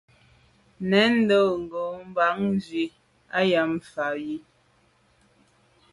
Nèn ndo’ ngo’ bàn nzwi am nse’ mfà yi.